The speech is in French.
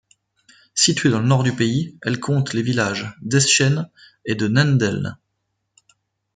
Située dans le nord du pays, elle compte les villages d'Eschen et de Nendeln.